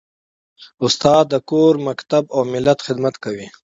استاد د کور، مکتب او ملت خدمت کوي.